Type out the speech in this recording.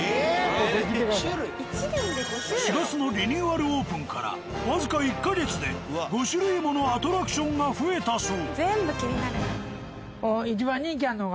４月のリニューアルオープンから僅か１か月で５種類ものアトラクションが増えたそう。